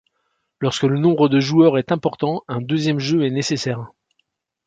Lorsque le nombre de joueurs est important, un deuxième jeu est nécessaire.